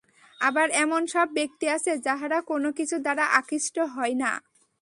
আবার এমন সব ব্যক্তি আছে, যাহারা কোনকিছু দ্বারা আকৃষ্ট হয় না।